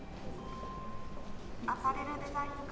アパレルデザイン科